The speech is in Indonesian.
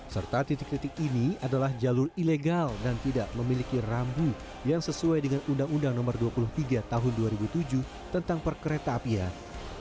serta titik titik ini adalah jalur ilegal dan tidak memiliki rambu yang sesuai dengan undang undang no dua puluh tiga tahun dua ribu tujuh tentang perkereta apian